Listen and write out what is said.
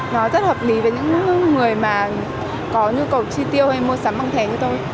nó rất hợp lý với những người mà có nhu cầu chi tiêu hay mua sắm bằng thẻ như tôi